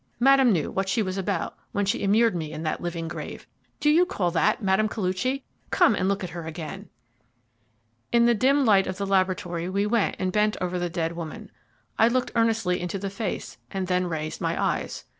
Madame knew what she was about when she immured me in that living grave. Do you call that Mme. Koluchy? Come and look at her again." In the dim light of the laboratory we went and bent over the dead woman. I looked earnestly into the face, and then raised my eyes.